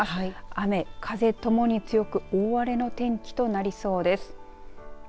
雨、風ともに強く大荒れの天気となりそうです。